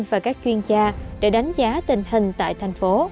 và các chuyên gia để đánh giá tình hình tại tp hcm